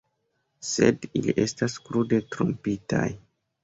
Sed ili estas krude trompitaj.